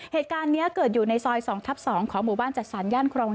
เหตุการณ์นี้เกิดอยู่ในซอย๒ทับ๒ของหมู่บ้านจัดสรรย่านครอง